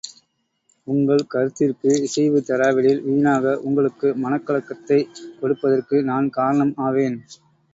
உங்கள் கருத்திற்கு இசைவு தராவிடில், வீணாக உங்களுக்கு மனக் கலக்கத்தைக் கொடுப்பதற்கு நான் காரணம் ஆவேன்.